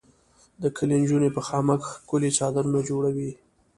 د کلي انجونې په خامک ښکلي څادرونه جوړوي.